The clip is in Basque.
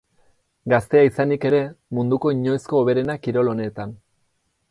Gaztea izanik ere, munduko inoizko hoberena kirol honetan.